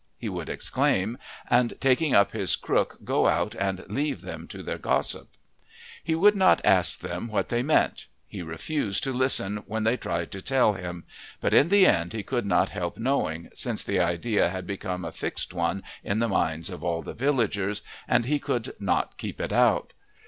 he would exclaim, and taking up his crook go out and leave them to their gossip. He would not ask them what they meant; he refused to listen when they tried to tell him; but in the end he could not help knowing, since the idea had become a fixed one in the minds of all the villagers, and he could not keep it out.